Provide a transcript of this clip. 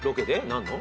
何の？